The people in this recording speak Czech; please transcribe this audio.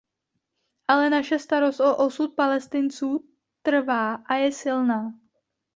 Ale naše starost o osud Palestinců trvá a je silná.